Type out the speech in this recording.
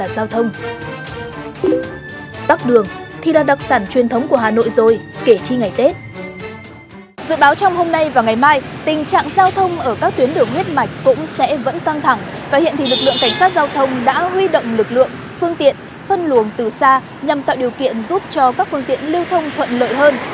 giao thông ở các tuyến đường huyết mạch cũng sẽ vẫn căng thẳng và hiện thì lực lượng cảnh sát giao thông đã huy động lực lượng phương tiện phân luồng từ xa nhằm tạo điều kiện giúp cho các phương tiện lưu thông thuận lợi hơn